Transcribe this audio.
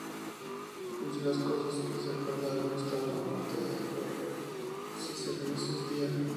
Entre las cosas que se acordaron, estaba la muerte de Dorrego si se resistía.